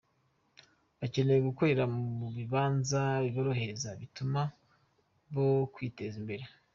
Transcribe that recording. "Bakeneye gukorera mu bibanza biborohereza, bituma bokwiteza imbere.